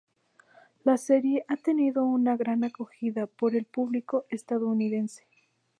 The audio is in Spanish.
La serie ha tenido una gran acogida por el público estadounidense.